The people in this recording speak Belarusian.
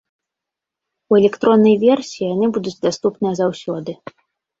У электронная версіі яны будуць даступныя заўсёды.